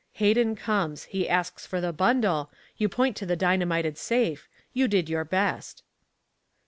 Hayden comes. He asks for the bundle. You point to the dynamited safe. You did your best."